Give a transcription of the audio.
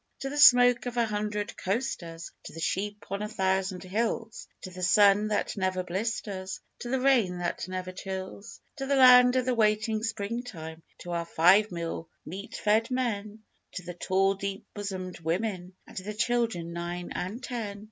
_ To the smoke of a hundred coasters, To the sheep on a thousand hills, To the sun that never blisters, To the rain that never chills To the land of the waiting springtime, To our five meal, meat fed men, To the tall deep bosomed women, And the children nine and ten!